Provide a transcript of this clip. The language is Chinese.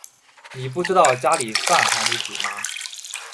妳不知道家里饭还没煮吗